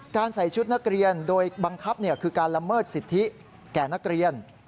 ใส่ชุดนักเรียนโดยบังคับคือการละเมิดสิทธิแก่นักเรียน